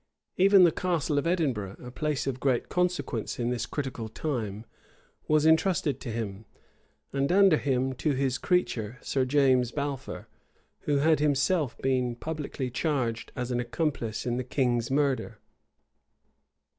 Even the Castle of Edinburgh, a place of great consequence in this critical time, was intrusted to him, and under him, to his creature, Sir James Balfour, who had himself been publicly charged as an accomplice in the king's murder.